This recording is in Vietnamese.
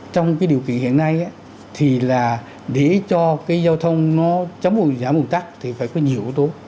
trong cái điều kiện hiện nay thì là để cho cái giao thông nó chấm giảm ủng tắc thì phải có nhiều yếu tố